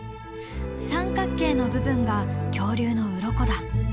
三角形の部分が恐竜のウロコだ。